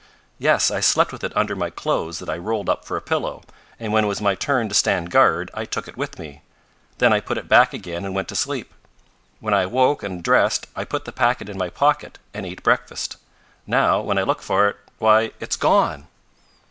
"Yes, I slept with it under my clothes that I rolled up for a pillow, and when it was my turn to stand guard I took it with me. Then I put it back again and went to sleep. When I awoke and dressed I put the packet in my pocket and ate breakfast. Now when I look for it why, it's gone!"